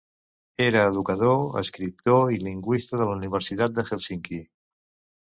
Era educador, escriptor i lingüista de la Universitat de Helsinki.